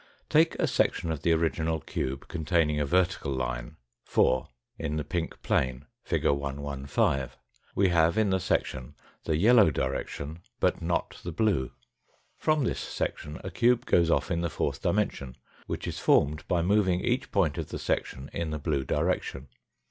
Take a section of tha original cube containing a vertical line, 4, in the pink plane, fig. 115. We have, in the section, the yellow direction, but not the blue. 192 FOtfRTft From this section a cube goes off in the fourth dimen sion, which is formed by moving each point of the section in the blue direction.